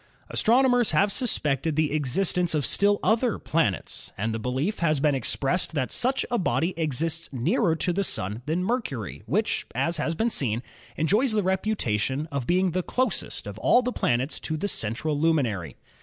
Astronomers have suspected the existence of still other planets, and the belief has been expressed that such a body exists nearer to the Sun than Mercury, which, as has been seen, enjoys the reputation of being the closest of all the planets to the central luminary.